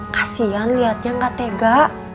kasian liatnya ga tega